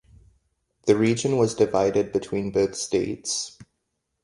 The region was divided between both states.